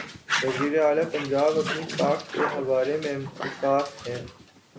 وزیر اعلی پنجاب اپنی ساکھ کے بارے میں حساس ہیں۔